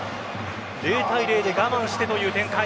０対０で我慢してという展開。